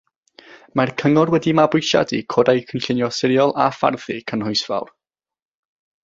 Mae'r cyngor wedi mabwysiadu codau cynllunio sirol a pharthi cynhwysfawr.